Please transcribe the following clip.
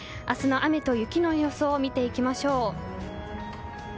明日の雨と雪の予想を見ていきましょう。